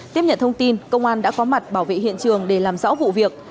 tiếp nhận thông tin công an đã có mặt bảo vệ hiện trường để làm rõ vụ việc